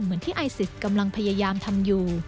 เหมือนที่ไอซิสกำลังพยายามทำอยู่